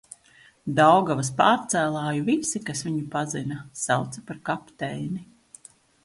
Daugavas pārcēlāju visi, kas viņu pazina, sauca par kapteini.